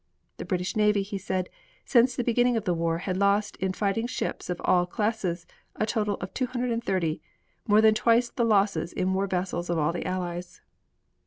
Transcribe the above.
The British navy, he said, since the beginning of the war had lost in fighting ships of all classes a total of 230, more than twice the losses in war vessels of all the Allies.